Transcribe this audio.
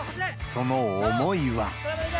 その思いは。